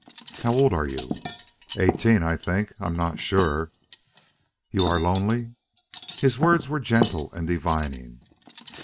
"How old are you?" "Eighteen, I think. I'm not sure." "You ARE lonely." His words were gentle and divining.